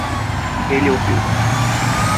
Ele ouviu